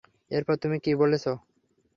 এরপর তুমি কি বলেছো?